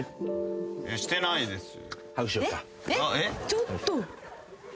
ちょっと。